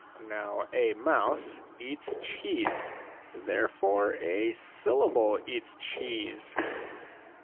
^ Now a mouse eats cheese ; therefore, a syllable eats cheese."